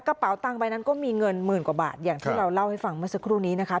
กระเป๋าตังค์ใบนั้นก็มีเงินหมื่นกว่าบาทอย่างที่เราเล่าให้ฟังเมื่อสักครู่นี้นะคะ